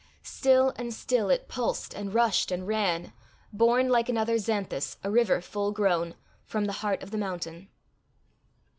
Still and still it pulsed and rushed and ran, born, like another Xanthus, a river full grown, from the heart of the mountain.